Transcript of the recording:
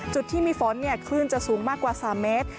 จุดที่มีฝนคลื่นจะสูงมากกว่า๓เมตร